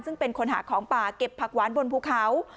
ซึ่งเป็นคนหาของป่าเก็บผักหวานบนภูเขา